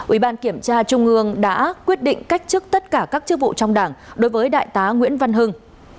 ủy ban kiểm tra trung ương đã quyết định cách chức tất cả các chức vụ trong đảng đối với đại tá nguyễn văn hưng